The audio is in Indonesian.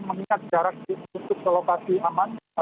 mengingat jarak itu untuk ke lokasi dan juga untuk ke tempat yang diperlukan